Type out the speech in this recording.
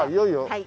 はい。